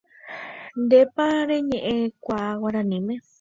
Ndépa reñe'ẽkuaa guaraníme.